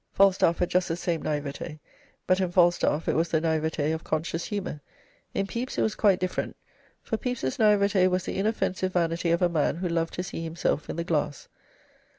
Falstaff had just the same 'naivete', but in Falstaff it was the 'naivete' of conscious humour. In Pepys it was quite different, for Pepys's 'naivete' was the inoffensive vanity of a man who loved to see himself in the glass.